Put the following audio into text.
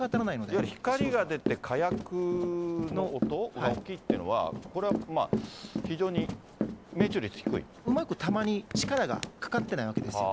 いわゆる光が出て、火薬の音が大きいというのは、これは非常うまく弾に力がかかってないわけですよ。